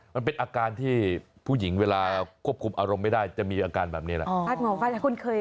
มันเป็นอาการที่ผู้หญิงเวลาควบคุมอารมณ์ไม่ได้จะมีอาการแบบนี้แหละ